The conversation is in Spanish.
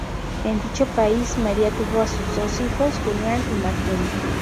En dicho país María tuvo a sus dos hijos Julián y Martín.